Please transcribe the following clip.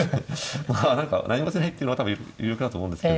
何もしないっていうのは多分有力だと思うんですけど。